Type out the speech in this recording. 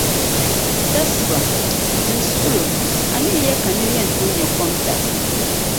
Dasiba. Dim suɣlo, amii ya ka nira yɛn tooi nyɛ kom n da?